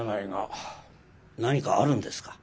何かあるんですか？